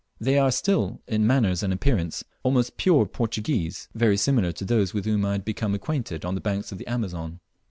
They are still in manners and appearance almost pure Portuguese, very similar to those with whom I had become acquainted on the banks of the Amazon.